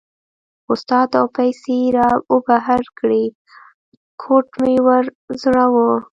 اسناد او پیسې را وبهر کړې، کوټ مې و ځړاوه.